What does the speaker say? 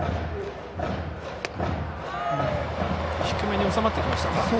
低めに収まってきましたか？